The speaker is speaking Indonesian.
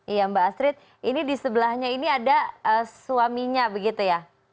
iya mbak astrid ini di sebelahnya ini ada suaminya begitu ya